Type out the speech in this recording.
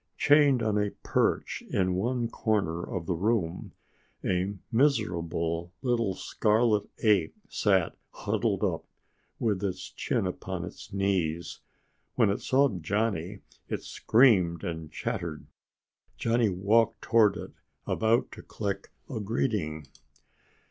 Chained on a perch in one corner of the room, a miserable little scarlet ape sat huddled up, with its chin upon its knees. When it saw Johnny it screamed and chattered. Johnny walked toward it, about to click a greeting.